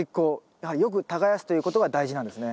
やはりよく耕すということが大事なんですね。